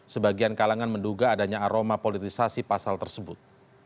sebagian kalangan menduga adanya aroma politisasi pasal tersebut